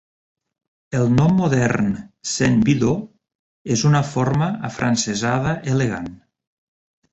El nom modern, Saint Budeaux, és una forma afrancesada "elegant".